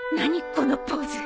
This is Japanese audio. このポーズ！